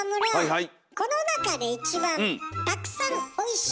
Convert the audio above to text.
はい。